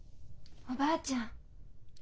おばあちゃん。